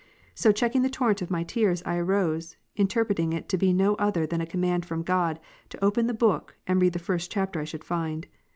So checking the torrent of my tears, I arose ; interpreting it to be no other than a command from God, to open the book, and read the first chapter I should find.